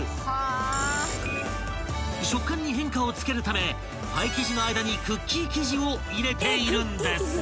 ［食感に変化をつけるためパイ生地の間にクッキー生地を入れているんです］